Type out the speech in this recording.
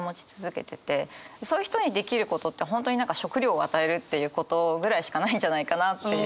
そういう人にできることって本当に食料を与えるっていうことぐらいしかないんじゃないかなっていう。